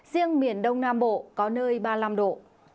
riêng miền đông nam bộ có nơi ba mươi năm độ